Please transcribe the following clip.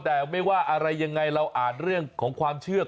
แต่ไม่ว่าอะไรยังไงเราอ่านเรื่องของความเชื่อ